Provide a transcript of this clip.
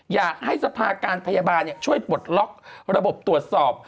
อยากให้สภาการพยาบาลช่วยปลดล็อกระบบตรวจสอบ